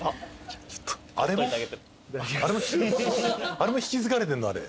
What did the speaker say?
あれも引き継がれてんの？